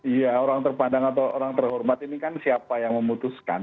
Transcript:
iya orang terpandang atau orang terhormat ini kan siapa yang memutuskan